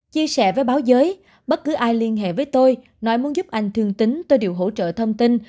chia sẻ với báo giới bất cứ ai liên hệ với tôi nói muốn giúp anh thương tính tôi đều hỗ trợ thông tin